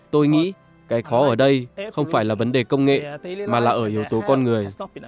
tôi nghĩ cái khó ở đây không phải là vấn đề công nghệ mà là ở yếu tố con người